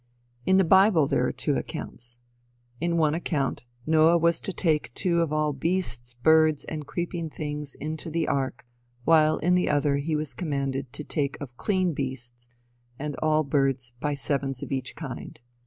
In the bible there are two accounts. In one account, Noah was to take two of all beasts, birds, and creeping things into the ark, while in the other he was commanded to take of clean beasts, and all birds by sevens of each kind.